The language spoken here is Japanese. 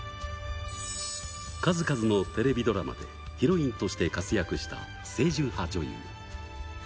数々のテレビドラマでヒロインとして活躍した清純派女優。